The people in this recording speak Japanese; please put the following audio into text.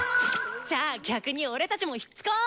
じゃあ逆に俺たちもひっつこう！